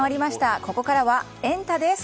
ここからはエンタ！です。